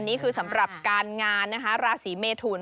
อันนี้คือสำหรับการงานราศีเมธูน